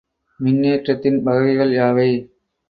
மின்னேற்றத்தின் வகைகள் யாவை?